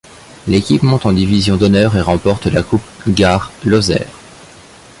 L'équipe monte en division d'honneur et remporte la coupe Gard-Lozère.